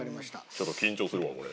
ちょっと緊張するわこれ。